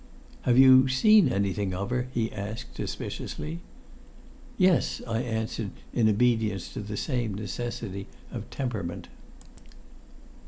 "Have you seen anything of her?" he asked suspiciously. "Yes!" I answered, in obedience to the same necessity of temperament.